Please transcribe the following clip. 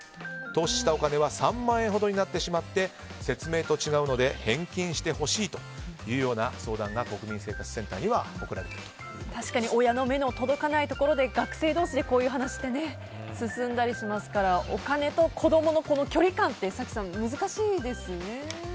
投資したお金は３万円ほどになってしまって説明と違うので返金してほしいというような相談が国民生活センターには確かに親の目の届かないところで学生同士で、こういう話って進んだりしますからお金と子供の距離感って早紀さん、難しいですよね？